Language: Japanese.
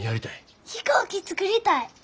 飛行機作りたい！